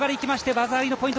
技ありのポイント。